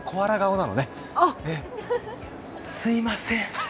すいません。